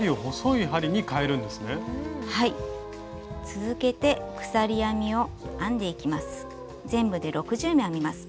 続けて鎖編みを編んでいきます。